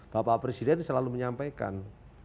bapak presiden selalu menyampaikan